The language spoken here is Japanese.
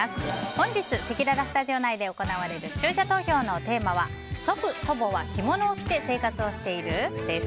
本日、せきららスタジオ内で行われる視聴者投票のテーマは祖父・祖母は着物を着て生活をしている？です。